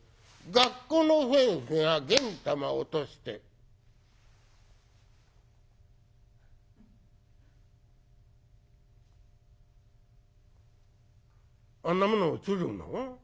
学校の先生がげん玉落として「あんなもの落ちるの？